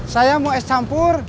saya mau es campur